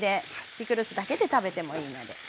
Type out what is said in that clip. ピクルスだけで食べてもいいので。